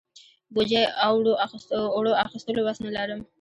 بوجۍ اوړو اخستلو وس نه لرم.